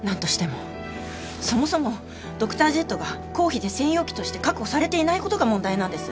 そもそもドクタージェットが公費で専用機として確保されていないことが問題なんです。